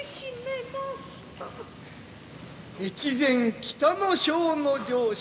越前北ノ庄の城主